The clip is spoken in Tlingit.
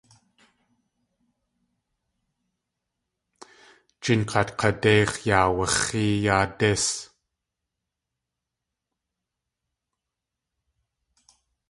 Jinkaat k̲a déix̲ yaawax̲ée yáa dís.